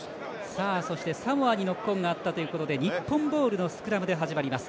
サモアにノックオンがあったということで日本ボールのスクラムで始まります。